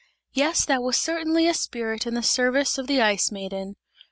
Yes, that was certainly a spirit in the service of the Ice Maiden.